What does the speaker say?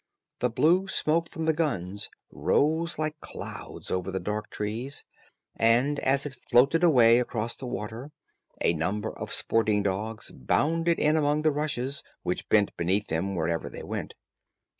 The blue smoke from the guns rose like clouds over the dark trees, and as it floated away across the water, a number of sporting dogs bounded in among the rushes, which bent beneath them wherever they went.